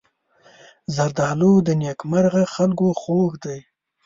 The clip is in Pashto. زردالو د نېکمرغه خلکو خوږ دی.